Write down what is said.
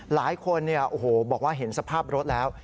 หลายคนบอกว่าเห็นสภาพรถแล้ว